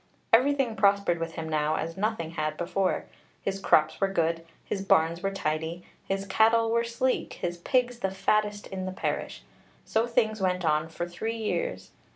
Everything prospered with him now as nothing had before. His crops were good, his barns were tidy, his cattle were sleek, his pigs the fattest in the parish. So things went on for three years.